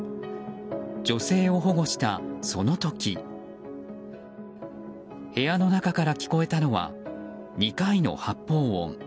女性を保護した、その時部屋の中から聞こえたのは２回の発砲音。